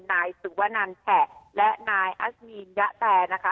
นายสุวนันแฉะและนายอัสมีนยะแตนะคะ